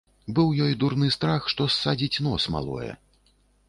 Быў ёй дурны страх, што ссадзіць нос малое.